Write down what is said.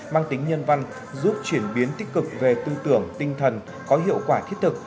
mang tính nhân văn giúp chuyển biến tích cực về tư tưởng tinh thần có hiệu quả thiết thực